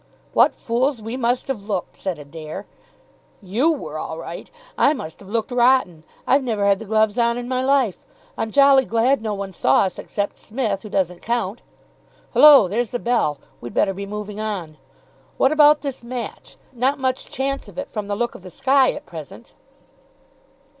"What fools we must have looked!" said Adair. "You were all right. I must have looked rotten. I've never had the gloves on in my life. I'm jolly glad no one saw us except Smith, who doesn't count. Hullo, there's the bell. We'd better be moving on. What about this match? Not much chance of it from the look of the sky at present."